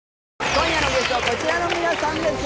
今夜のゲストはこちらの皆さんです